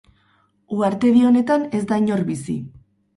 Uhartedi honetan ez da inor bizi.